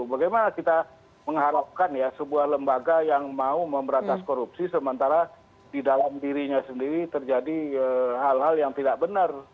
bagaimana kita mengharapkan ya sebuah lembaga yang mau memberantas korupsi sementara di dalam dirinya sendiri terjadi hal hal yang tidak benar